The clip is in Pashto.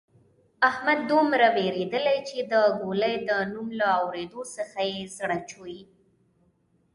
احمد دومره وېرېدلۍ چې د ګولۍ د نوم له اورېدو څخه یې زړه چوي.